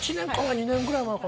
２年ぐらい前かな？